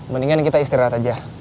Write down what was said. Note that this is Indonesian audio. mendingan kita istirahat aja